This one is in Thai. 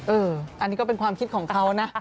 อันนี้ก็เป็นความคิดของเขานะ